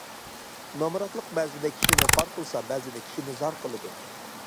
نامراتلىق بەزىدە كىشىنى خار قىلسا، بەزىدە كىشىنى زار قىلىدۇ.